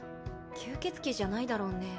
吸血鬼じゃないだろうね？